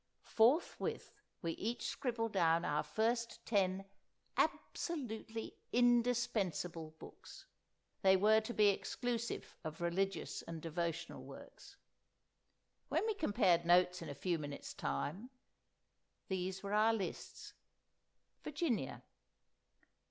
Forthwith, we each scribbled down our first ten absolutely indispensable books (they were to be exclusive of religious and devotional works). When we compared notes in a few minutes' time, these were our lists:— VIRGINIA.